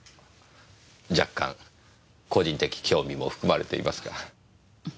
若干個人的興味も含まれていますが。